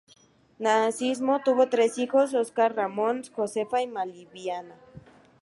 Narciso tuvo tres hijos, Óscar Ramón, Josefa y Malvina.